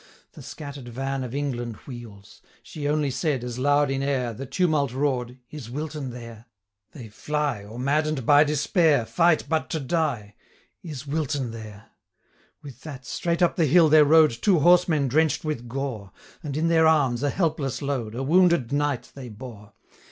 The scatter'd van of England wheels; She only said, as loud in air 850 The tumult roar'd, 'Is Wilton there?' They fly, or, madden'd by despair, Fight but to die, 'Is Wilton there?' With that, straight up the hill there rode Two horsemen drench'd with gore, 855 And in their arms, a helpless load, A wounded knight they bore.